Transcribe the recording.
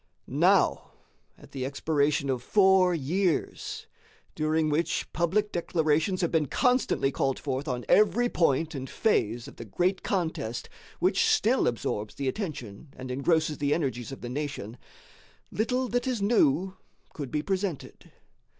Now, at the expiration of four years, during which public declarations have been constantly called forth on every point and phase of the great contest which still absorbs the attention and engrosses the energies of the nation, little that is new could be presented.